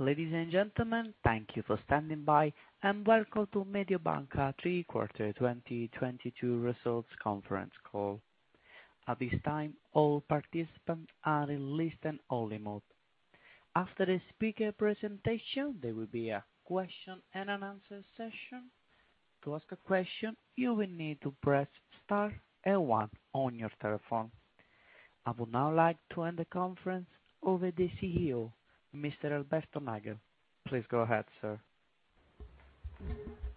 Ladies and gentlemen, thank you for standing by, and welcome to Mediobanca third quarter 2022 results conference call. At this time, all participants are in listen only mode. After the speaker presentation, there will be a question and an answer session. To ask a question, you will need to press Star and One on your telephone. I would now like to hand the conference over to the CEO, Mr. Alberto Nagel. Please go ahead, sir.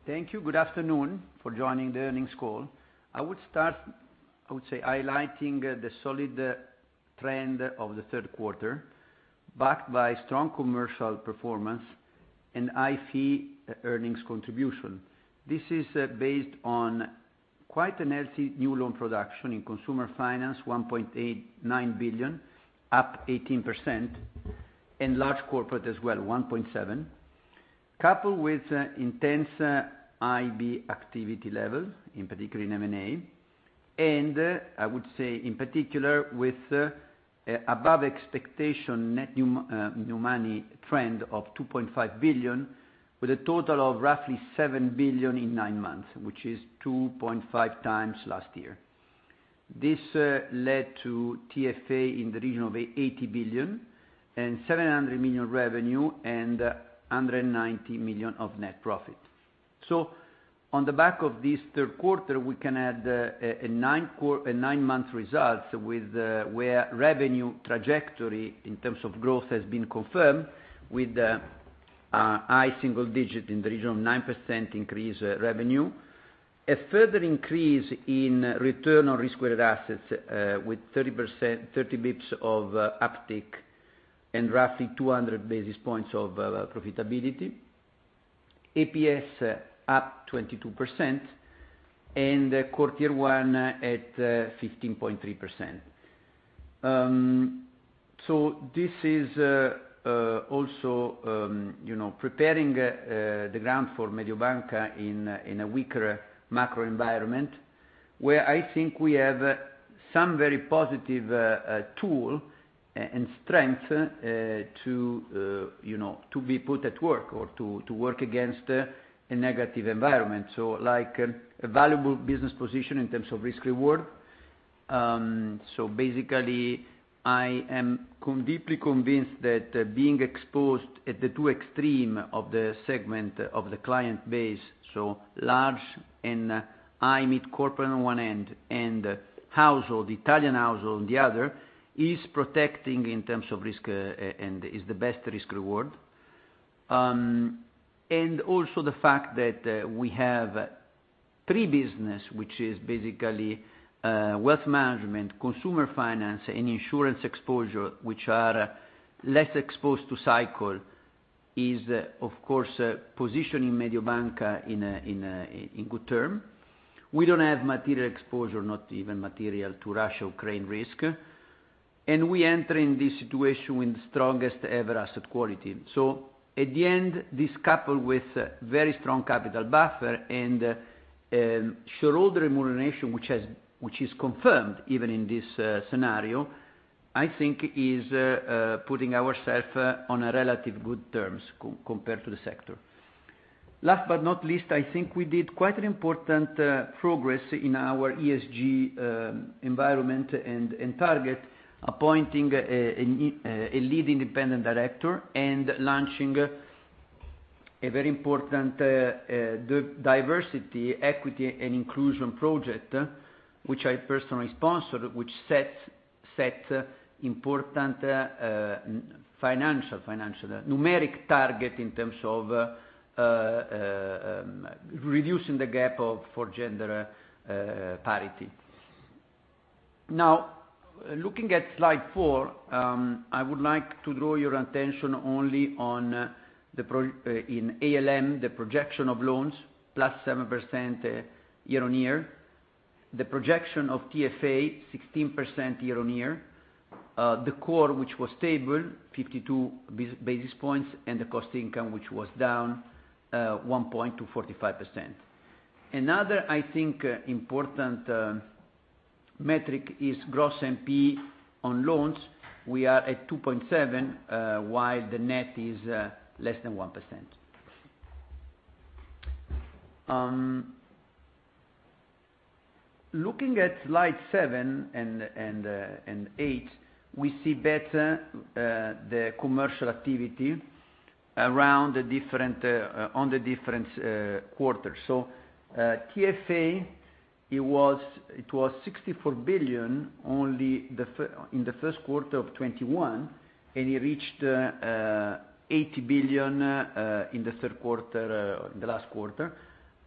Thank you. Good afternoon for joining the earnings call. I would say highlighting the solid trend of the third quarter, backed by strong commercial performance and high fee earnings contribution. This is based on quite a healthy new loan production in Consumer Finance, 1.89 billion, up 18%, and large corporate as well, 1.7 billion. Coupled with intense IB activity levels, in particular in M&A. I would say in particular with above expectation net new money trend of 2.5 billion, with a total of roughly 7 billion in nine months, which is 2.5 times last year. This led to TFA in the region of 80 billion and 700 million revenue and 190 million of net profit. On the back of this third quarter, we can add a nine month results with where revenue trajectory in terms of growth has been confirmed with high single digit in the region of 9% increase revenue. A further increase in return on risk-weighted assets with 30 basis points of uptick and roughly 200 basis points of profitability. EPS up 22% and Core Tier 1 at 15.3%. This is also you know preparing the ground for Mediobanca in a weaker macro environment, where I think we have some very positive tools and strength to you know to be put at work or to work against a negative environment. Like a valuable business position in terms of risk reward. Basically I am deeply convinced that being exposed at the two extremes of the segment of the client base, so large and high mid corporate on one end and households, Italian households on the other, is protecting in terms of risk, and is the best risk reward. Also the fact that we have three businesses, which is basically wealth management, consumer finance, and insurance exposure, which are less exposed to cycle, is of course positioning Mediobanca in a good term. We don't have material exposure, not even material to Russia-Ukraine risk, and we enter in this situation with the strongest ever asset quality. At the end, this coupled with very strong capital buffer and shareholder remuneration, which is confirmed even in this scenario, I think is putting ourselves on a relatively good terms compared to the sector. Last but not least, I think we did quite an important progress in our ESG environment and target, appointing a lead independent director and launching a very important diversity, equity and inclusion project, which I personally sponsored, which sets important financial numeric target in terms of reducing the gap for gender parity. Now, looking at slide four, I would like to draw your attention only to the projection in ALM, the projection of loans +7% year-on-year. The projection of TFA 16% year-on-year. The core, which was stable, 52 basis points, and the cost income, which was down one point to 45%. Another, I think, important metric is gross NP on loans. We are at 2.7, while the net is less than 1%. Looking at slide seven and eight, we see better the commercial activity around the different quarters. TFA, it was 64 billion in the first quarter of 2021, and it reached 80 billion in the third quarter, the last quarter.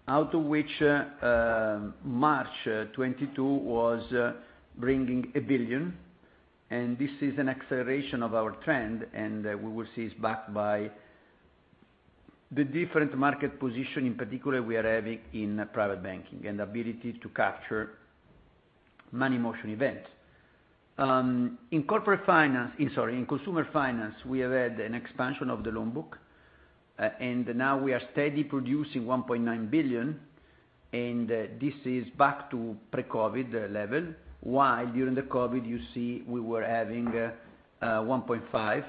Out of which, March 2022 was bringing 1 billion. This is an acceleration of our trend, and we will see it's backed by the different market position in particular, we are having in private banking and the ability to capture money motion events. In consumer finance, we have had an expansion of the loan book, and now we are steady producing 1.9 billion. This is back to pre-COVID level. While during the COVID, you see we were having 1.5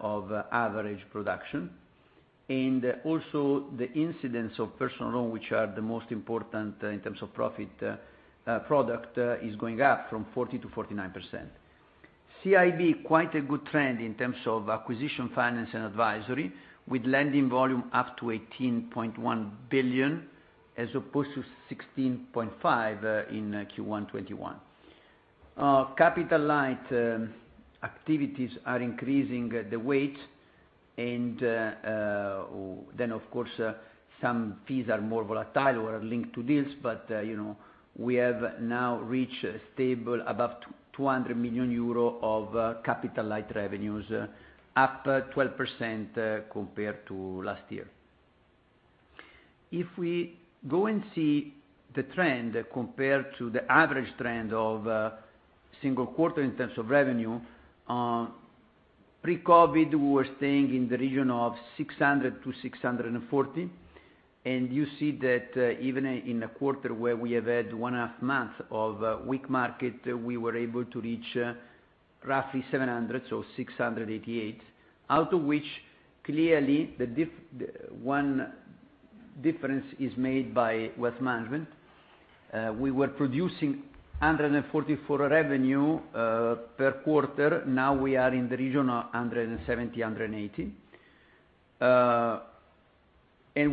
of average production. Also the incidence of personal loan, which are the most important in terms of profit, product, is going up from 40%-49%. CIB, quite a good trend in terms of acquisition finance and advisory, with lending volume up to 18.1 billion as opposed to 16.5 billion in Q1 2021. Capital light activities are increasing the weight and, then, of course, some fees are more volatile or are linked to deals. You know, we have now reached a stable above 200 million euro of capital light revenues, up 12% compared to last year. If we go and see the trend compared to the average trend of single quarter in terms of revenue, pre-COVID, we were staying in the region of 600 to 640. You see that even in a quarter where we have had one half month of weak market, we were able to reach roughly 700, so 688, out of which clearly the difference is made by Wealth Management. We were producing 144 revenue per quarter. Now we are in the region of 170-180.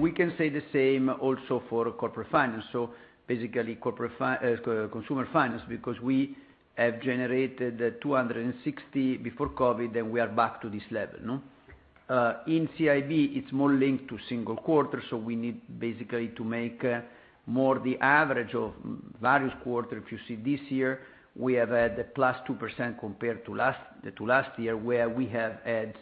We can say the same also for corporate finance. Basically consumer finance, because we have generated 260 before COVID, and we are back to this level, no? In CIB, it's more linked to single quarter, so we need basically to make more the average of various quarter. If you see this year, we have had a +2% compared to last year, where we have had,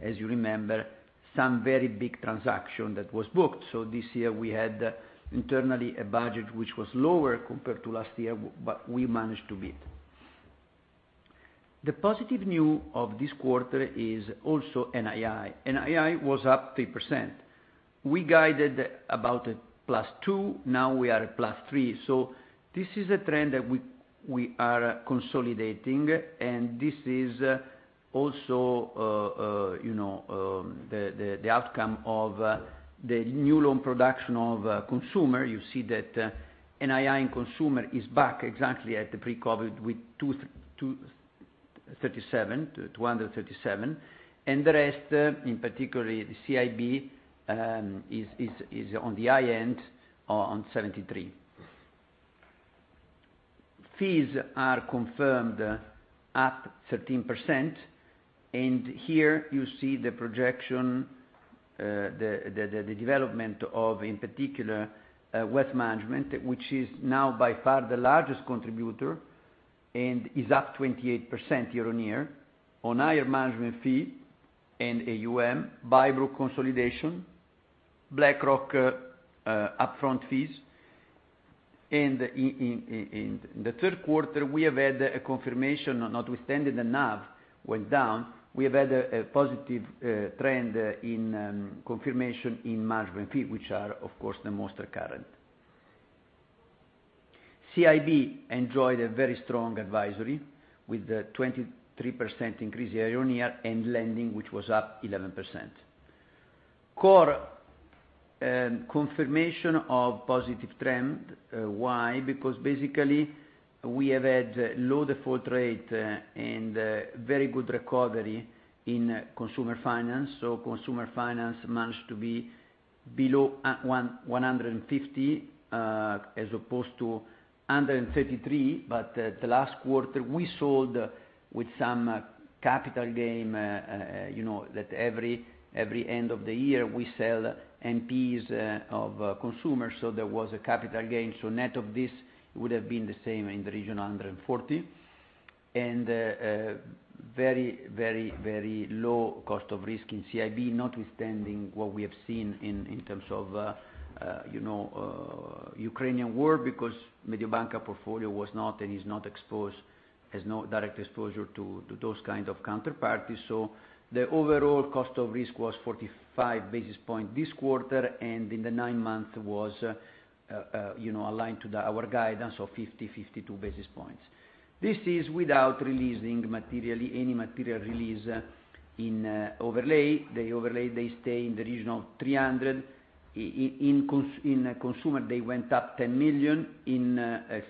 as you remember, some very big transaction that was booked. This year we had internally a budget which was lower compared to last year, but we managed to beat. The positive news of this quarter is also NII. NII was up 3%. We guided about +2%, now we are +3%. This is a trend that we are consolidating, and this is also you know the outcome of the new loan production of consumer. You see that NII in consumer is back exactly at the pre-COVID with 237, and the rest, in particular the CIB, is on the high end on 73. Fees are confirmed up 13%. Here you see the projection, the development of, in particular, wealth management, which is now by far the largest contributor and is up 28% year-on-year on higher management fee and AUM, Bybrook consolidation, BlackRock, upfront fees. In the third quarter, we have had a confirmation, notwithstanding the NAV went down, we have had a positive trend in contribution in management fees, which are of course the most recurrent. CIB enjoyed a very strong advisory with a 23% increase year-on-year, and lending, which was up 11%. Core contribution of positive trend. Why? Because basically we have had low default rate and very good recovery in Consumer Finance. Consumer Finance managed to be below 150, as opposed to 133. But the last quarter we sold with some capital gain, you know, that every end of the year we sell NPLs of Consumer Finance, so there was a capital gain. Net of this would have been the same in the region of 140. Very low cost of risk in CIB, notwithstanding what we have seen in terms of you know, Ukrainian war, because Mediobanca portfolio was not and is not exposed, has no direct exposure to those kind of counterparties. The overall cost of risk was 45 basis points this quarter, and in the nine months was aligned to our guidance of 50-52 basis points. This is without releasing materially any material release in overlay. The overlay they stay in the region of 300 million. In consumer, they went up 10 million. In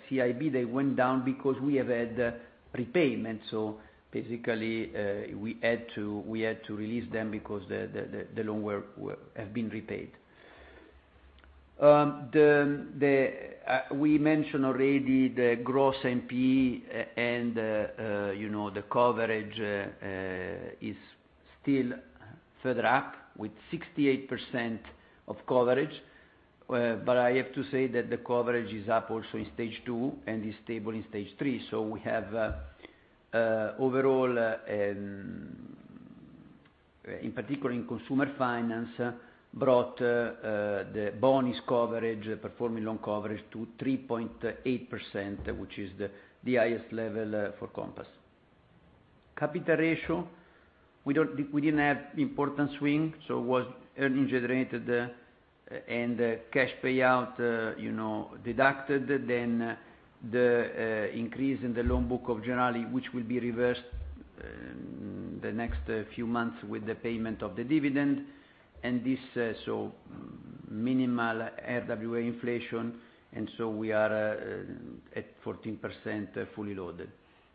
CIB, they went down because we have had repayment. Basically, we had to release them because the loans have been repaid. We mentioned already the gross NPE and, you know, the coverage is still further up with 68% of coverage. But I have to say that the coverage is up also in stage two and is stable in stage three. We have overall, in particular in Consumer Finance, brought the bonus coverage, performing loan coverage to 3.8%, which is the highest level for Compass. Capital ratio, we didn't have important swing, so it was earnings generated and cash payout, you know, deducted, then the increase in the loan book of Generali, which will be reversed the next few months with the payment of the dividend. This minimal RWA inflation, and we are at 14% fully loaded.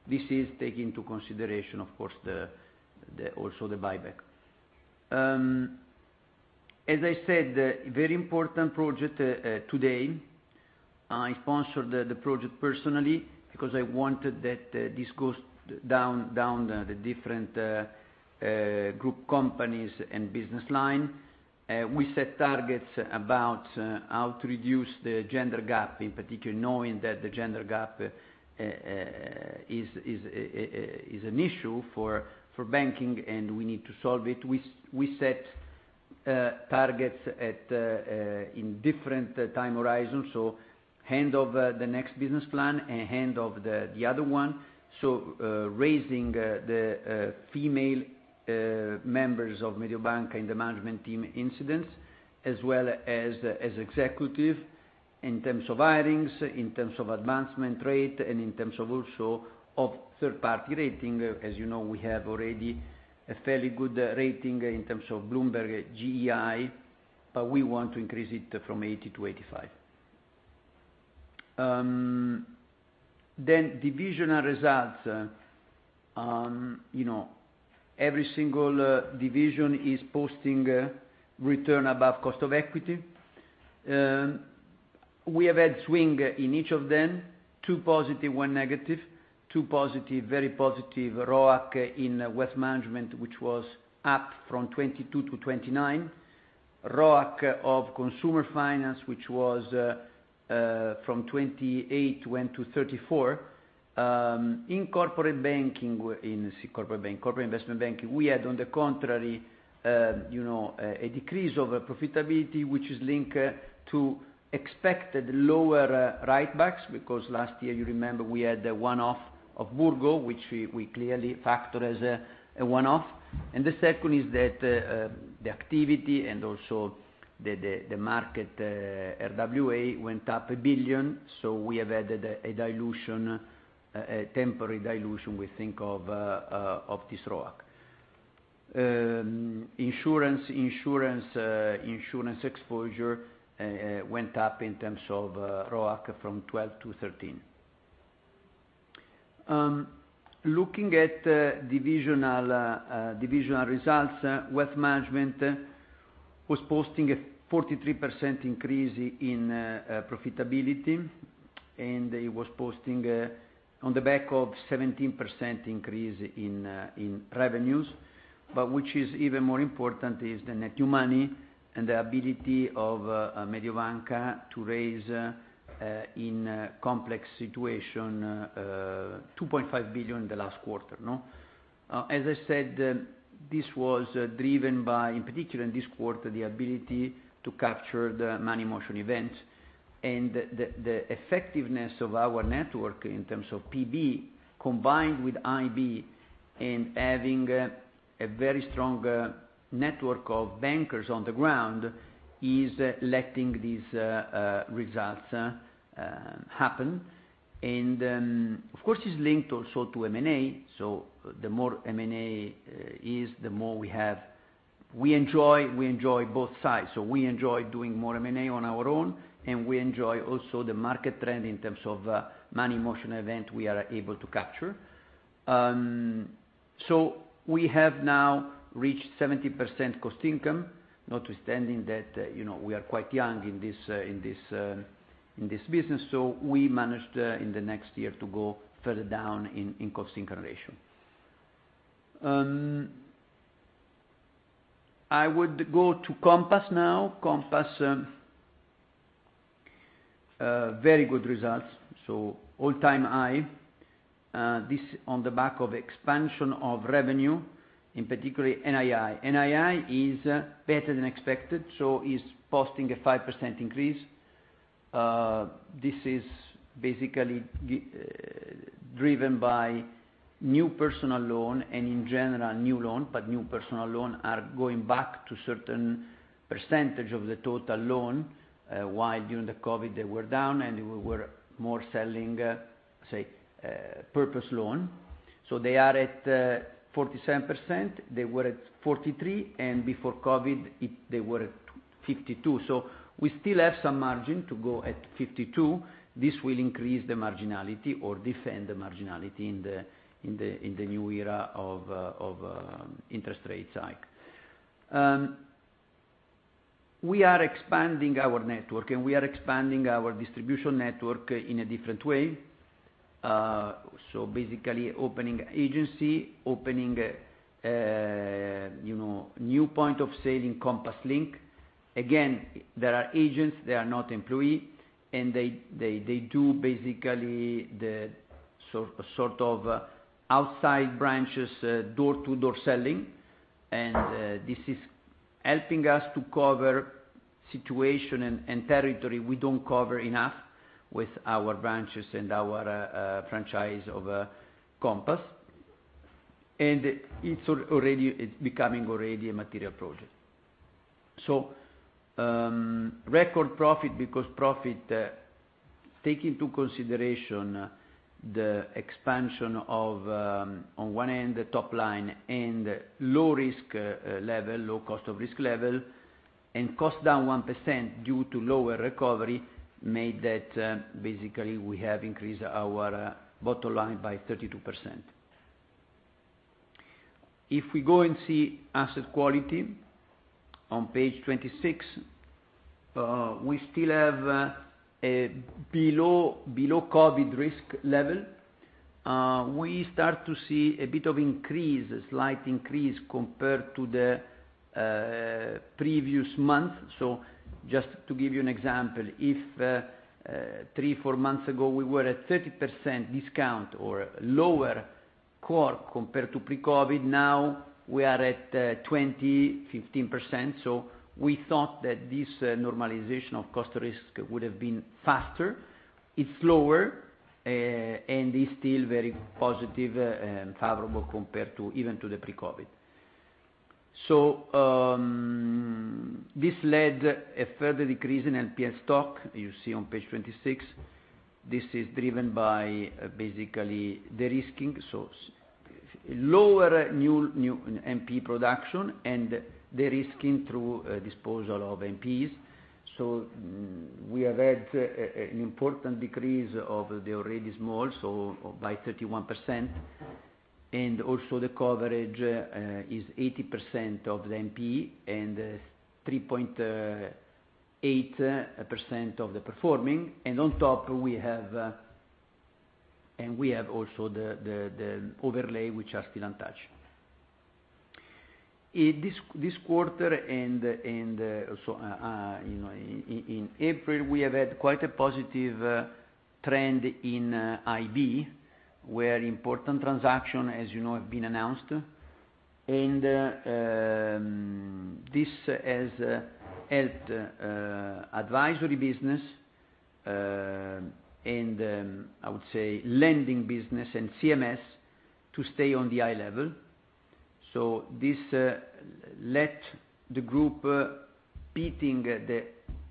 This is taking into consideration, of course, the buyback. As I said, a very important project today. I sponsored the project personally because I wanted that this goes down the different group companies and business line. We set targets about how to reduce the gender gap, in particular, knowing that the gender gap is an issue for banking and we need to solve it. We set targets in different time horizons, so handover the next business plan and handover the other one. Raising the female members of Mediobanca in the management team incidence, as well as executives in terms of hirings, in terms of advancement rate, and in terms of also the third-party rating. As you know, we have already a fairly good rating in terms of Bloomberg GEI, but we want to increase it from 80 to 85. Then divisional results. You know, every single division is posting return above cost of equity. We have had swing in each of them, two positive, one negative. Very positive ROAC in Wealth Management, which was up from 22% to 29%. ROAC of Consumer Finance, which was from 28% went to 34%. In corporate banking, in corporate bank, Corporate Investment Banking, we had on the contrary, you know, a decrease of profitability, which is linked to expected lower write-backs, because last year, you remember, we had the one-off of Burgo, which we clearly factor as a one-off. The second is that the activity and also the market RWA went up 1 billion, so we have added a dilution, a temporary dilution we think of this ROAC. Insurance exposure went up in terms of ROAC from 12% to 13%. Looking at divisional results, Wealth Management was posting a 43% increase in profitability, and it was posting on the back of 17% increase in revenues. Which is even more important is the net new money and the ability of Mediobanca to raise in a complex situation 2.5 billion in the last quarter, no? As I said, this was driven by, in particular in this quarter, the ability to capture the money motion events and the effectiveness of our network in terms of PB combined with IB and having a very strong network of bankers on the ground is letting these results happen. Of course, it's linked also to M&A. The more M&A is, the more we have. We enjoy both sides. We enjoy doing more M&A on our own, and we enjoy also the market trend in terms of money motion event we are able to capture. We have now reached 70% cost income, notwithstanding that, you know, we are quite young in this business, so we managed in the next year to go further down in cost income ratio. I would go to Compass now. Compass very good results. All-time high, this on the back of expansion of revenue, in particular NII. NII is better than expected, so is posting a 5% increase. This is basically driven by new personal loan and in general new loan, but new personal loan are going back to certain percentage of the total loan. While during the COVID, they were down, and we were more selling, say, purpose loan. They are at 47%. They were at 43%, and before COVID, they were at 52%. We still have some margin to go to 52%. This will increase the marginality or defend the marginality in the new era of interest rate hikes. We are expanding our network, and we are expanding our distribution network in a different way. Basically opening agencies, you know, new points of sale in Compass Link. Again, there are agents, they are not employees, and they do basically the sort of outside branches, door-to-door selling. This is helping us to cover situations and territory we don't cover enough with our branches and our franchise of Compass. It's already becoming a material project. Record profit because profit take into consideration the expansion of on one end, the top line and low cost of risk level, and cost down 1% due to lower recovery, that made basically we have increased our bottom line by 32%. If we go and see asset quality on page 26, we still have below COVID risk level. We start to see a bit of increase, a slight increase compared to the previous month. Just to give you an example, if three, fourmonths ago, we were at 30% discount or lower CORE compared to pre-COVID, now we are at 20-15%. We thought that this normalization of cost of risk would have been faster. It's slower and is still very positive and favorable compared to even to the pre-COVID. This led a further decrease in NPL stock, you see on page 26. This is driven by basically de-risking, so lower new NP production and de-risking through disposal of NPs. We have had an important decrease of the already small, so by 31%. The coverage is 80% of the NP and 3.8% of the performing. On top we have also the overlay, which are still untouched. In this quarter and you know, in April, we have had quite a positive trend in IB, where important transaction, as you know, have been announced. This has helped advisory business and I would say lending business and CMS to stay on the high level. This led the group, beating the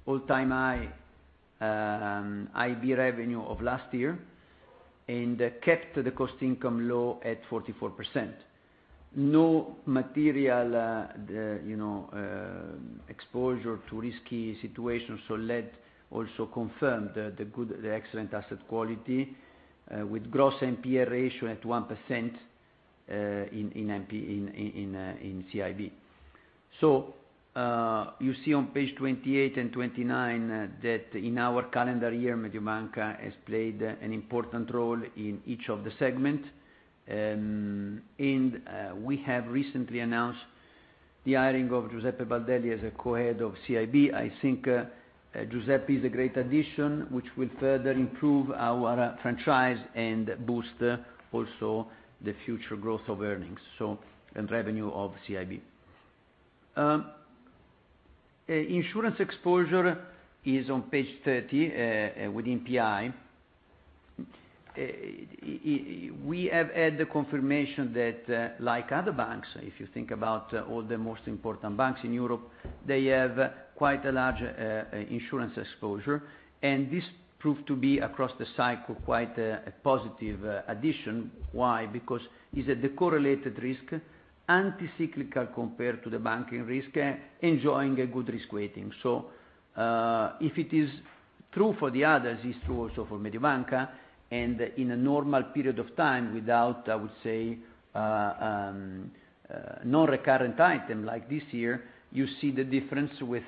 all-time high IB revenue of last year and kept the cost/income low at 44%. No material you know exposure to risky situation, so we also confirmed the excellent asset quality with gross NPE ratio at 1% in CIB. You see on page 28 and 29 that in our calendar year, Mediobanca has played an important role in each of the segment. We have recently announced the hiring of Giuseppe Baldelli as a co-head of CIB. I think, Giuseppe is a great addition, which will further improve our franchise and boost also the future growth of earnings, so, and revenue of CIB. Insurance exposure is on page 30, with NPI. We have had the confirmation that, like other banks, if you think about all the most important banks in Europe, they have quite a large, insurance exposure, and this proved to be across the cycle quite, a positive addition. Why? Because it's a correlated risk, anti-cyclical compared to the banking risk, enjoying a good risk weighting. If it is true for the others, it's true also for Mediobanca. In a normal period of time without, I would say, non-recurrent item like this year, you see the difference with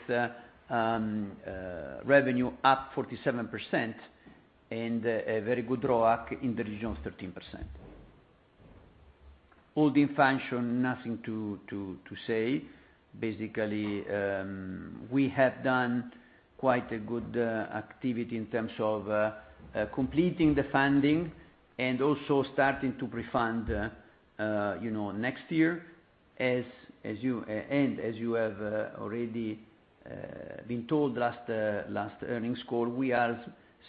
revenue up 47% and a very good ROAC in the region of 13%. Holding function, nothing to say. Basically, we have done quite a good activity in terms of completing the funding and also starting to pre-fund, you know, next year. As you have already been told last earnings call, we are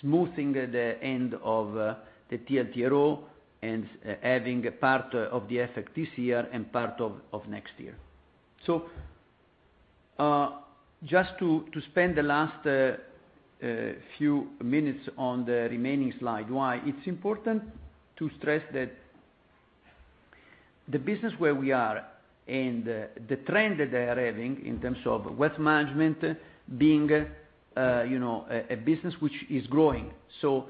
smoothing the end of the TLTRO and having a part of the effect this year and part of next year. Just to spend the last few minutes on the remaining slide. Why? It's important to stress that the business where we are and the trend that they are having in terms of wealth management being, you know, a business which is growing, so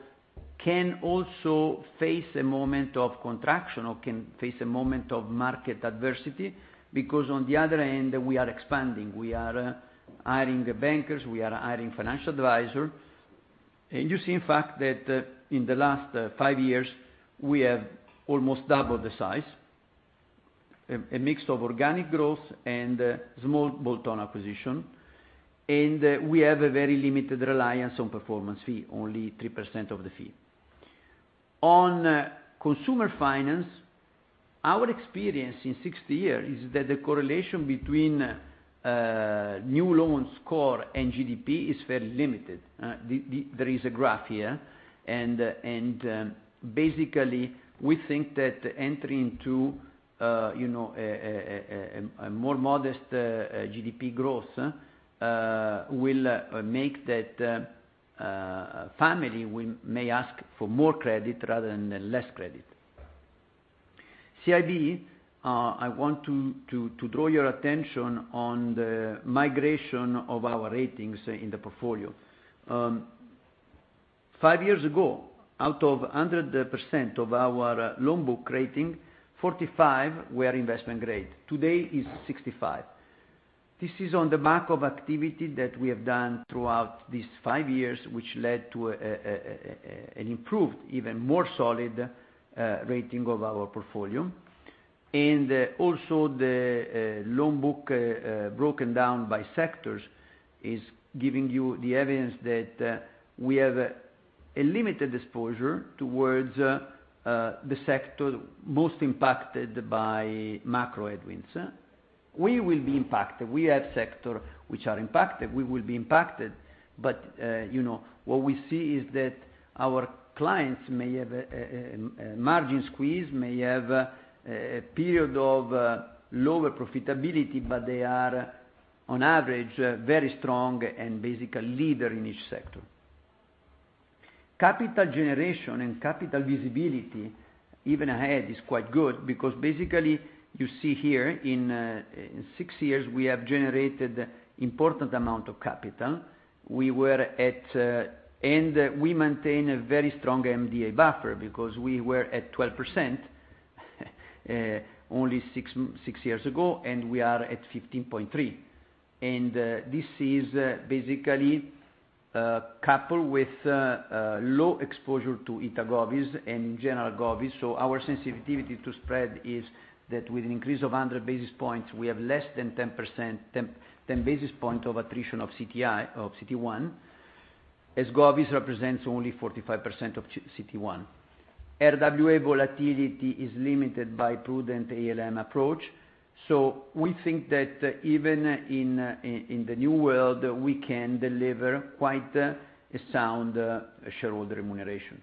can also face a moment of contraction or can face a moment of market adversity, because on the other hand, we are expanding. We are hiring bankers, we are hiring financial advisor. You see, in fact, that in the last five years, we have almost doubled the size, a mix of organic growth and small bolt-on acquisition. We have a very limited reliance on performance fee, only 3% of the fee. On consumer finance, our experience in 60 years is that the correlation between new loan stock and GDP is very limited. There is a graph here, and basically we think that entering to, you know, a more modest GDP growth will make that family may ask for more credit rather than less credit. CIB, I want to draw your attention on the migration of our ratings in the portfolio. Five years ago, out of 100% of our loan book rating, 45% were investment grade. Today is 65%. This is on the back of activity that we have done throughout these five years, which led to an improved, even more solid rating of our portfolio. Also the loan book broken down by sectors is giving you the evidence that we have a limited exposure towards the sector most impacted by macro headwinds. We will be impacted. We have sector which are impacted. We will be impacted. You know, what we see is that our clients may have a margin squeeze, may have a period of lower profitability, but they are on average very strong and basically leader in each sector. Capital generation and capital visibility even ahead is quite good because basically you see here in six years, we have generated important amount of capital. We maintain a very strong MDA buffer because we were at 12% only six years ago, and we are at 15.3%. This is basically coupled with low exposure to Italian govies and general govies. Our sensitivity to spread is that with an increase of 100 basis points, we have less than 10%, 10 basis points of attrition of CT1, of CT1, as govies represents only 45% of CET1. RWA volatility is limited by prudent ALM approach. We think that even in the new world, we can deliver quite a sound shareholder remuneration.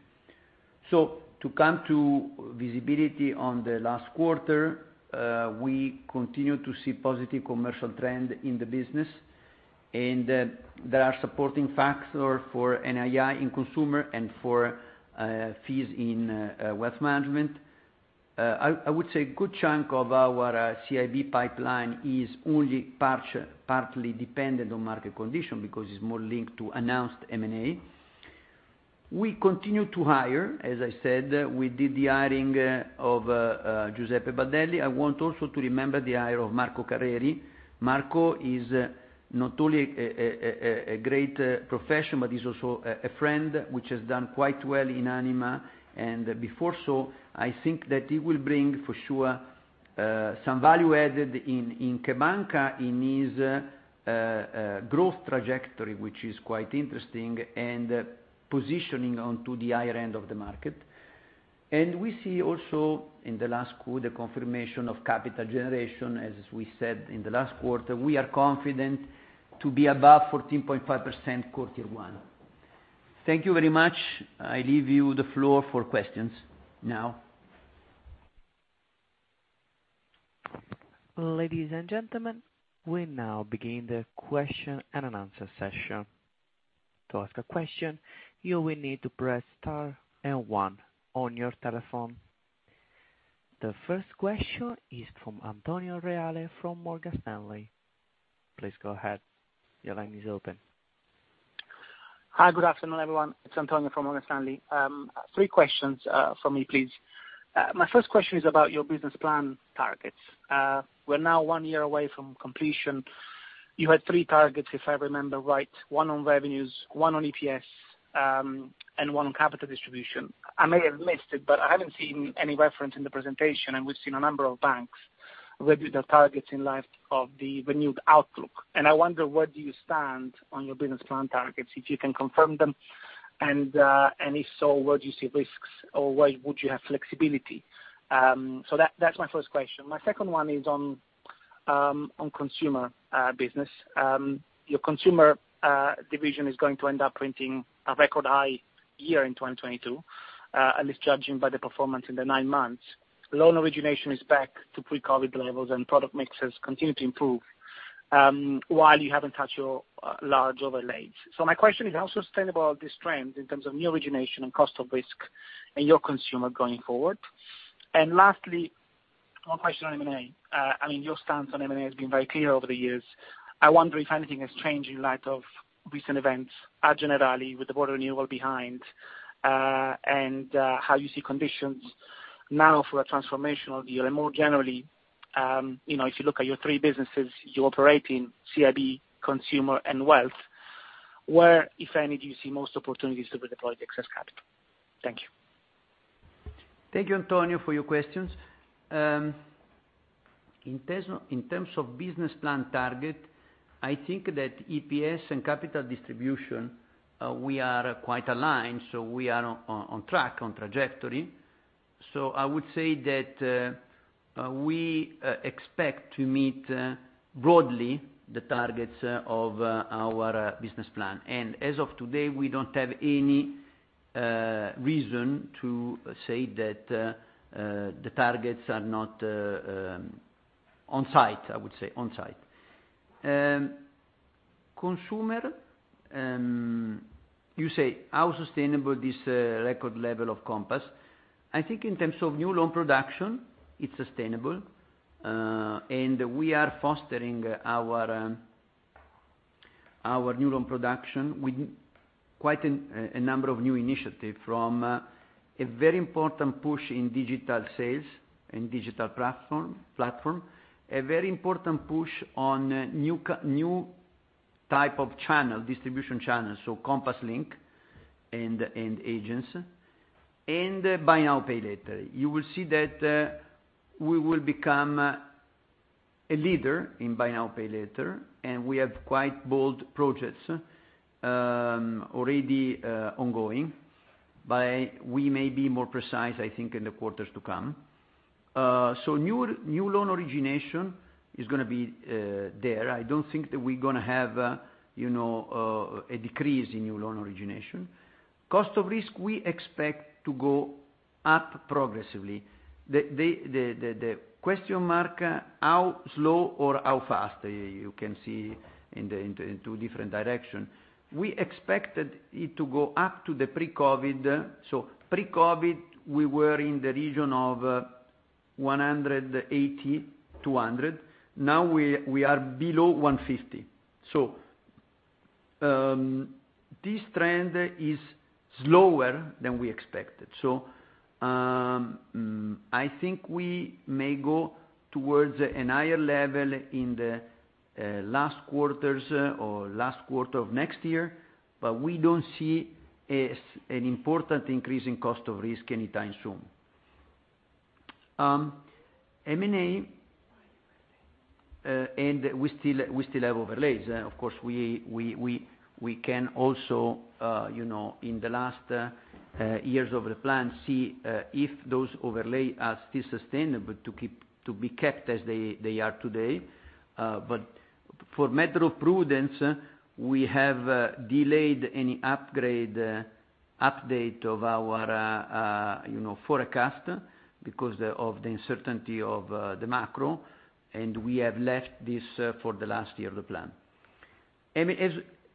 To come to visibility on the last quarter, we continue to see positive commercial trend in the business, and there are supporting factor for NII in consumer and for fees in Wealth Management. I would say a good chunk of our CIB pipeline is only partly dependent on market condition because it's more linked to announced M&A. We continue to hire, as I said. We did the hiring of Giuseppe Baldelli. I want also to remember the hire of Marco Carreri. Marco is not only a great professional, but he's also a friend, which has done quite well in Anima. Before so, I think that he will bring for sure some value added in CheBanca in his growth trajectory, which is quite interesting and positioning onto the higher end of the market. We see also in the last quarter confirmation of capital generation. As we said in the last quarter, we are confident to be above 14.5% quarter one. Thank you very much. I leave you the floor for questions now. Ladies and gentlemen, we now begin the question and answer session. To ask a question, you will need to press star and one on your telephone. The first question is from Antonio Reale from Morgan Stanley. Please go ahead. Your line is open. Hi, good afternoon, everyone. It's Antonio from Morgan Stanley. Three questions for me, please. My first question is about your business plan targets. We're now one year away from completion. You had three targets, if I remember right, one on revenues, one on EPS, and one on capital distribution. I may have missed it, but I haven't seen any reference in the presentation, and we've seen a number of banks review their targets in light of the renewed outlook. I wonder, where do you stand on your business plan targets, if you can confirm them, and if so, where do you see risks, or where would you have flexibility? That's my first question. My second one is on consumer business. Your consumer division is going to end up printing a record high year in 2022, at least judging by the performance in the 9 months. Loan origination is back to pre-COVID levels and product mixes continue to improve, while you haven't touched your large coverage. My question is how sustainable are these trends in terms of new origination and cost of risk in your consumer going forward? Lastly, one question on M&A. I mean, your stance on M&A has been very clear over the years. I wonder if anything has changed in light of recent events at Generali with the board renewal behind, and how you see conditions now for a transformational deal. More generally, you know, if you look at your three businesses you operate in, CIB, consumer, and wealth, where, if any, do you see most opportunities to deploy excess capital? Thank you. Thank you, Antonio, for your questions. In terms of business plan target, I think that EPS and capital distribution, we are quite aligned, so we are on track, on trajectory. I would say that we expect to meet broadly the targets of our business plan. As of today, we don't have any reason to say that the targets are not in sight, I would say, in sight. Consumer, you say how sustainable this record level of Compass. I think in terms of new loan production, it's sustainable. We are fostering our new loan production with quite a number of new initiatives from a very important push in digital sales and digital platform, a very important push on new type of channel, distribution channel, so Compass Link and agents, and Buy Now, Pay Later. You will see that we will become a leader in Buy Now, Pay Later, and we have quite bold projects already ongoing, but we may be more precise, I think, in the quarters to come. New loan origination is gonna be there. I don't think that we're gonna have, you know, a decrease in new loan origination. Cost of risk, we expect to go up progressively. The question? How slow or how fast you can see in two different directions. We expected it to go up to the pre-COVID. pre-COVID, we were in the region of 180, 200. Now we are below 150. This trend is slower than we expected. I think we may go towards a higher level in the last quarters or last quarter of next year, but we don't see an important increase in cost of risk anytime soon. M&A and we still have overlays. Of course, we can also you know, in the last years of the plan, see if those overlays are still sustainable to keep, to be kept as they are today. For matter of prudence, we have delayed any upgrade update of our you know forecast because of the uncertainty of the macro, and we have left this for the last year of the plan.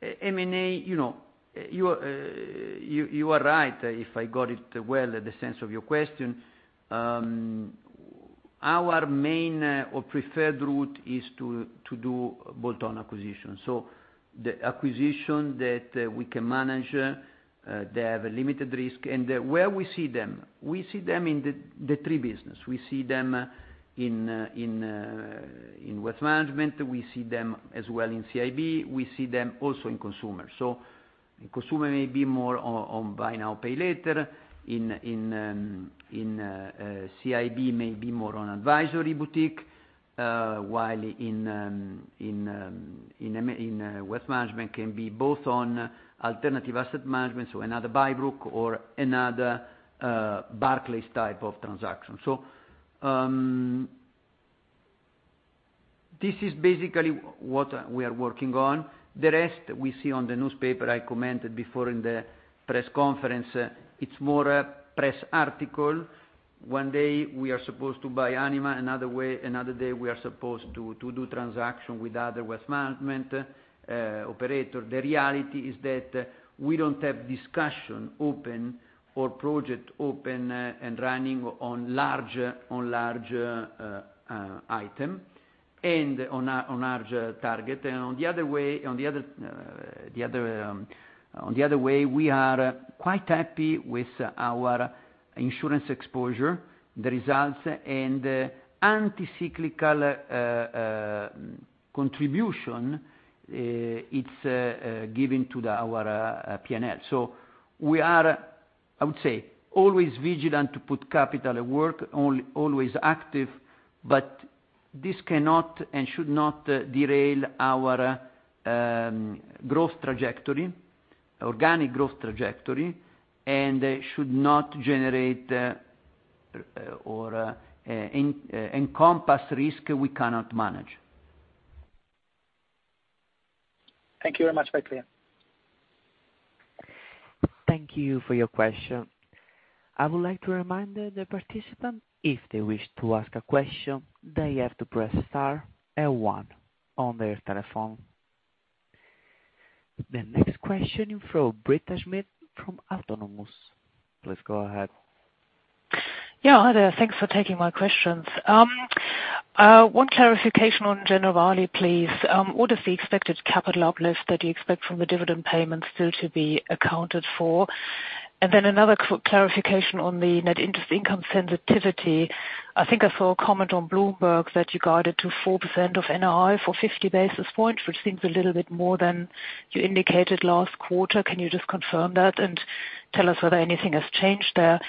As M&A, you know, you are right, if I got it well, the sense of your question, our main or preferred route is to do bolt-on acquisition. The acquisition that we can manage they have a limited risk. Where we see them, we see them in the three business. We see them in wealth management. We see them as well in CIB. We see them also in consumer. In consumer may be more on Buy Now, Pay Later. CIB may be more on advisory boutique, while in wealth management can be both on alternative asset management, so another Bybrook or another Barclays type of transaction. This is basically what we are working on. The rest we see in the newspaper, I commented before in the press conference, it's more a press article. One day we are supposed to buy Anima, another day we are supposed to do transaction with other wealth management operator. The reality is that we don't have discussion open or project open and running on large item and on a large target. On the other way, we are quite happy with our insurance exposure, the results and counter-cyclical contribution it's given to our P&L. We are, I would say, always vigilant to put capital at work, always active, but this cannot and should not derail our organic growth trajectory and should not generate or encompass risk we cannot manage. Thank you very much. Bye for now. Thank you for your question. I would like to remind the participant, if they wish to ask a question, they have to press star then one on their telephone. The next question from Britta Schmidt from Autonomous. Please go ahead. Yeah. Hi there. Thanks for taking my questions. One clarification on Generali, please. What is the expected capital uplift that you expect from the dividend payments still to be accounted for? Another clarification on the net interest income sensitivity. I think I saw a comment on Bloomberg that you guided to 4% of NII for 50 basis points, which seems a little bit more than you indicated last quarter. Can you just confirm that and tell us whether anything has changed there?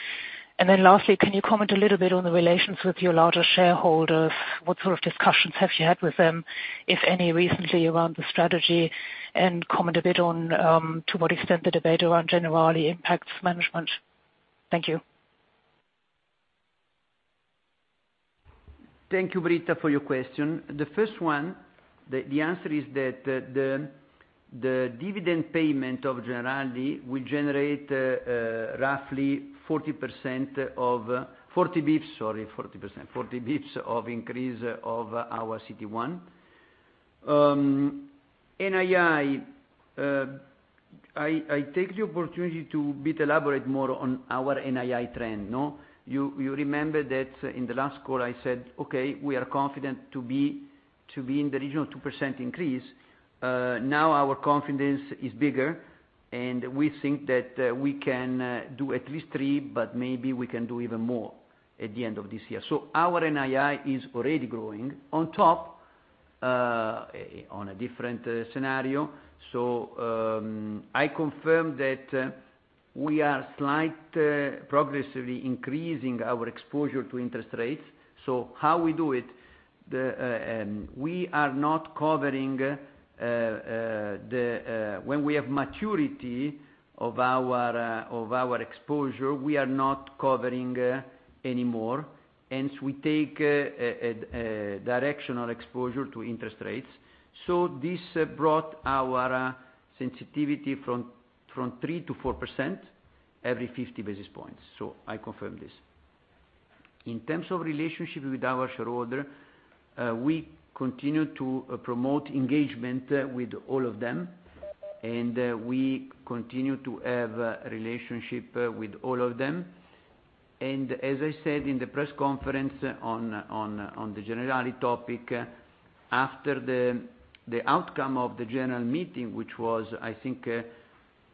Lastly, can you comment a little bit on the relations with your largest shareholders? What sort of discussions have you had with them, if any, recently around the strategy? Comment a bit on to what extent the debate around Generali impacts management. Thank you. Thank you, Britta, for your question. The first one, the answer is that the dividend payment of Generali will generate roughly 40 BPs of increase of our CET1. NII, I take the opportunity to elaborate a bit more on our NII trend, no? You remember that in the last call I said, okay, we are confident to be in the region of 2% increase. Now our confidence is bigger, and we think that we can do at least 3%, but maybe we can do even more at the end of this year. Our NII is already growing. On top of a different scenario. I confirm that we are slightly progressively increasing our exposure to interest rates. How we do it, we are not covering when we have maturity of our exposure, we are not covering anymore, and we take a directional exposure to interest rates. This brought our sensitivity from 3%-4% every 50 basis points. I confirm this. In terms of relationship with our shareholder, we continue to promote engagement with all of them, and we continue to have relationship with all of them. As I said in the press conference on the Generali topic, after the outcome of the general meeting, which was, I think,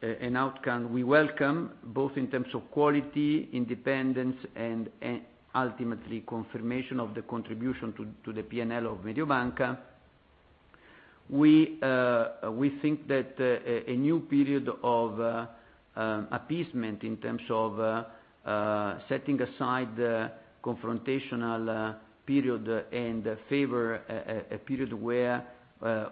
an outcome we welcome, both in terms of quality, independence, and ultimately confirmation of the contribution to the P&L of Mediobanca. We think that a new period of appeasement in terms of setting aside the confrontational period and favor a period where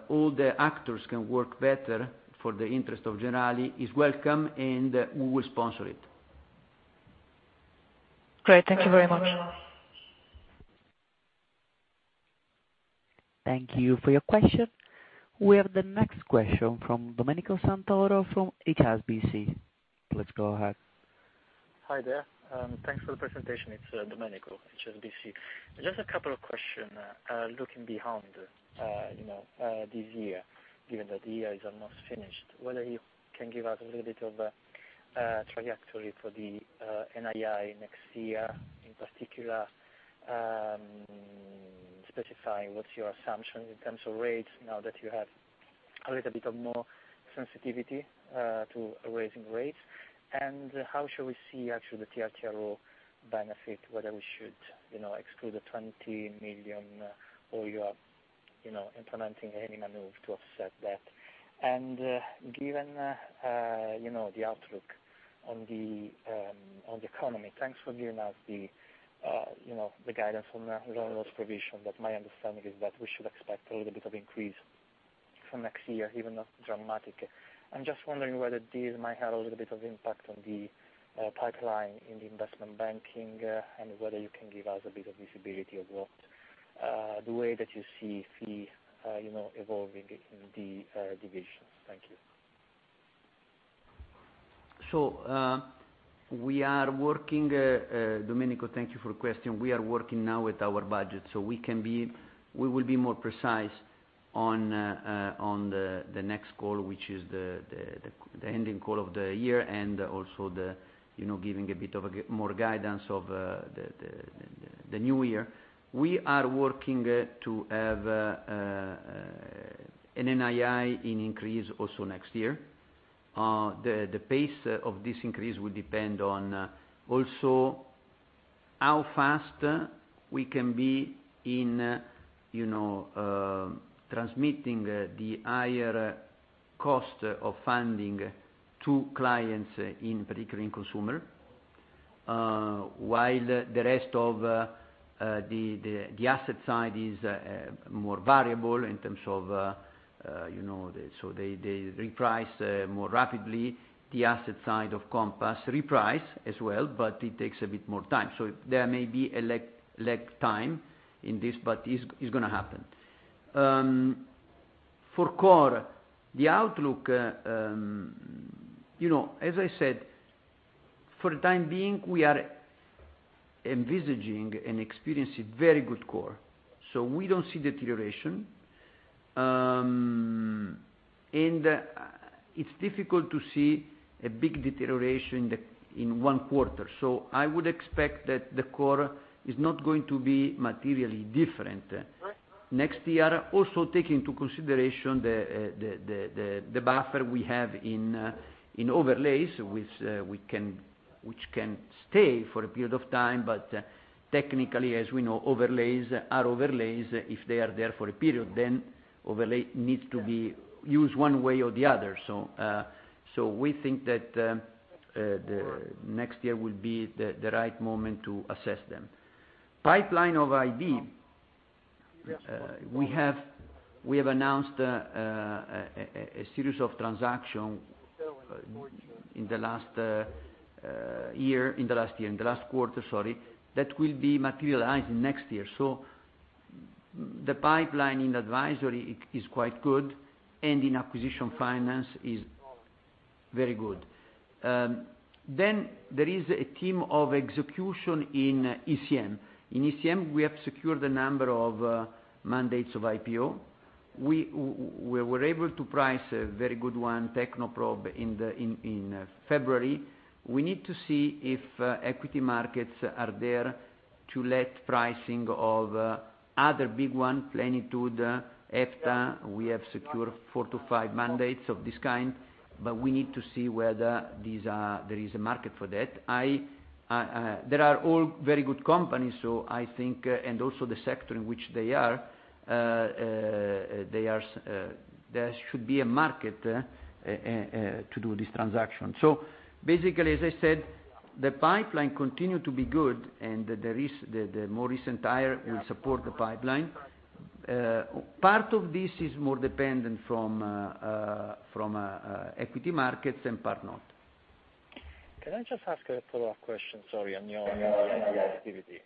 all the actors can work better for the interest of Generali is welcome, and we will sponsor it. Great. Thank you very much. Thank you for your question. We have the next question from Domenico Santoro from HSBC. Please go ahead. Hi there. Thanks for the presentation. It's Domenico, HSBC. Just a couple of questions, looking behind, you know, this year, given that the year is almost finished. Whether you can give us a little bit of a trajectory for the NII next year, in particular, specifying what's your assumption in terms of rates now that you have a little bit of more sensitivity to raising rates? How should we see actually the TLTRO benefit, whether we should, you know, exclude the 20 million, or you are, you know, implementing any maneuver to offset that. Given, you know, the outlook on the economy, thanks for giving us the, you know, the guidance on the loan loss provision, but my understanding is that we should expect a little bit of increase for next year, even if dramatic. I'm just wondering whether this might have a little bit of impact on the pipeline in the investment banking, and whether you can give us a bit of visibility of what the way that you see fees, you know, evolving in the divisions. Thank you. We are working... Domenico, thank you for your question. We are working now with our budget, so we can be, we will be more precise on the next call, which is the ending call of the year, and also you know, giving a bit more guidance of the new year. We are working to have an NII increase also next year. The pace of this increase will depend on also how fast we can be in you know, transmitting the higher cost of funding to clients in particular in Consumer, while the rest of the asset side is more variable in terms of you know, the. They reprice more rapidly. The asset side of Compass reprice as well, but it takes a bit more time. There may be a lag time in this, but it is gonna happen. For core, the outlook, you know, as I said, for the time being, we are envisaging and experiencing very good core. We don't see deterioration. It is difficult to see a big deterioration in one quarter. I would expect that the core is not going to be materially different next year. Also take into consideration the buffer we have in overlays, which can stay for a period of time. Technically, as we know, overlays are overlays. If they are there for a period, then overlay needs to be used one way or the other. We think that the next year will be the right moment to assess them. Pipeline of IB. We have announced a series of transactions in the last quarter, sorry, that will be materialized next year. The pipeline in advisory is quite good, and in acquisition finance is very good. Then there is a team of execution in ECM. In ECM, we have secured a number of mandates of IPO. We were able to price a very good one, Technoprobe, in February. We need to see if equity markets are there to let pricing of other big one, Plenitude, etc. We have secured 4-5 mandates of this kind, but we need to see whether there is a market for that. There are all very good companies, so I think, and also the sector in which they are, there should be a market to do this transaction. Basically, as I said, the pipeline continue to be good, and the more recent hire will support the pipeline. Part of this is more dependent from equity markets and part not. Can I just ask a follow-up question, sorry, on your activity?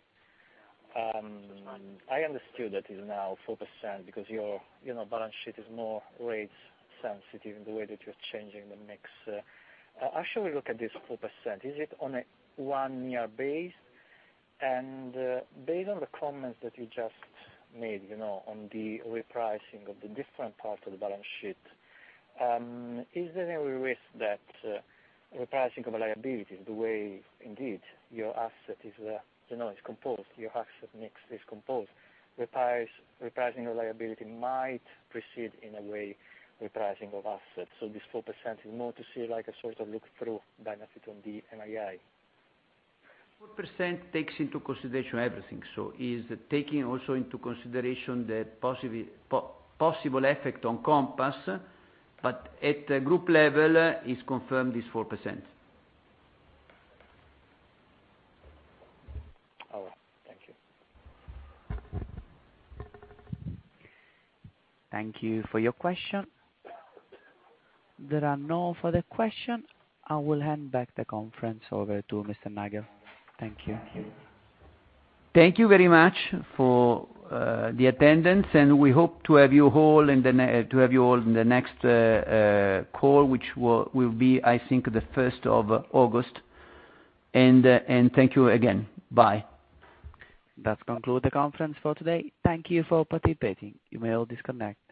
I understood that it's now 4% because your, you know, balance sheet is more rate sensitive in the way that you're changing the mix. How should we look at this 4%? Is it on a one-year basis? Based on the comments that you just made, you know, on the repricing of the different parts of the balance sheet, is there any risk that repricing of liability, the way indeed your asset is, you know, is composed, your asset mix is composed. Repricing liability might proceed in a way repricing of assets. This 4% is more to see like a sort of look-through benefit on the NII. 4% takes into consideration everything. Is taking also into consideration the possible effect on Compass, but at the group level is confirmed this 4%. All right. Thank you. Thank you for your question. There are no further question. I will hand back the conference over to Mr. Nagel. Thank you. Thank you very much for the attendance, and we hope to have you all in the next call, which will be, I think, the first of August. Thank you again. Bye. That concludes the conference for today. Thank you for participating. You may all disconnect.